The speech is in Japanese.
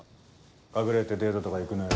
隠れてデートとか行くなよ。